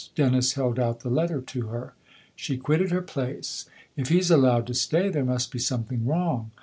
Dennis held out the letter to her. She quitted her place. "If he's allowed to stay, there must be something wrong."